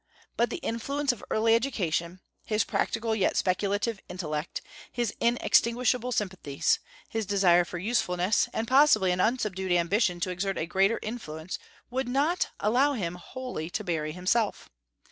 But the influence of early education, his practical yet speculative intellect, his inextinguishable sympathies, his desire for usefulness, and possibly an unsubdued ambition to exert a greater influence would not allow him wholly to bury himself.